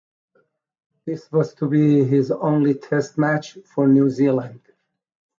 This was to be his only test match for New Zealand.